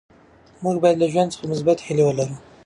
موږ باید له ژوند څخه مثبتې هیلې ولرو.